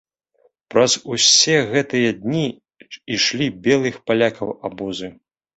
Праз усе гэтыя дні ішлі белых палякаў абозы.